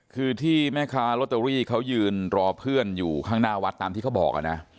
คือที่แม่ค้าลอตเตอรี่เขายืนรอเพื่อนอยู่ข้างหน้าวัดตามที่เขาบอกนะ